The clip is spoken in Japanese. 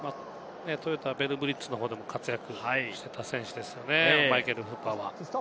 トヨタヴェルブリッツのほうでも活躍していた選手ですよね、マイケル・フーパーは。